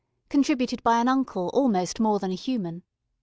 contributed by an uncle almost more than human.